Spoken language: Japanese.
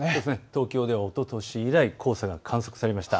東京ではおととし以来、黄砂が観測されました。